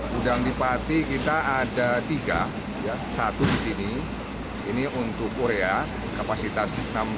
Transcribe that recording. gudang di pati kita ada tiga satu di sini ini untuk korea kapasitas enam belas